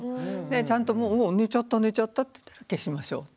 ちゃんともう寝ちゃった寝ちゃったっていったら消しましょうと。